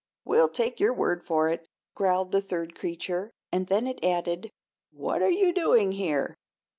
"We'll take your word for it," growled the third creature. And then it added: "What are you doing here?"